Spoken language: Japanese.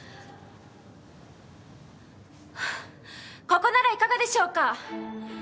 ここならいかがでしょうか。